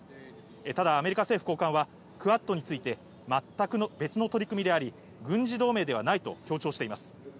ただアメリカ政府高官は、クアッドについて全く別の取り組みであり、軍事同盟ではないと強調しています。